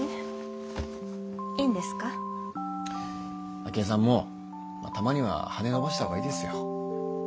明恵さんもたまには羽伸ばした方がいいですよ。